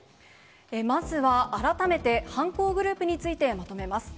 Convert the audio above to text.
まずは改めて、犯行グループについてまとめます。